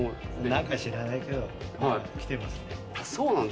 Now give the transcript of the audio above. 何か知らないけど来てますね。